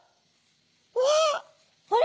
うわ！あれ？